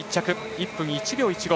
１分１秒１５。